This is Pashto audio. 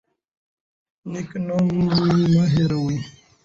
نیک نوم مه هیروئ.